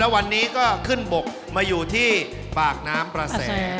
วันนี้ก็ขึ้นบกมาอยู่ที่ปากน้ำประแส